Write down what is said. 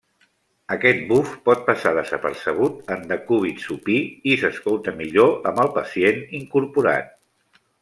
Aquest buf pot passar desapercebut en decúbit supí i s'escolta millor amb el pacient incorporat.